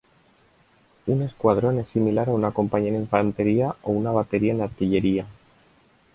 Un escuadrón es similar a una compañía en infantería o una batería en artillería.